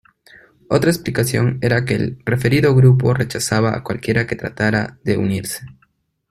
Otra explicación era que el referido grupo rechazaba a cualquiera que tratara de unirse.